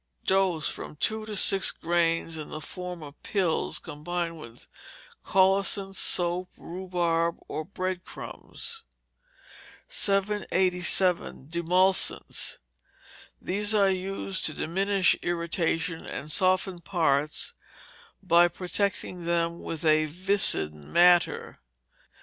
Dose, from two to six grains, in the form of pills, combined with colocynth, soap, rhubarb, or bread crumbs. 787. Demulcents. These are used to diminish irritation, and soften parts by protecting them with a viscid matter.